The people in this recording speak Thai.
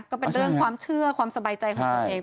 ก็เป็นเรื่องความเชื่อความสบายใจของตัวเอง